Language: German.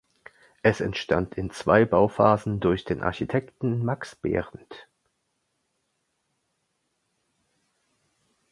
Es entstand in zwei Bauphasen durch den Architekten Max Behrendt.